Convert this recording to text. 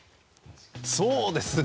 そうですね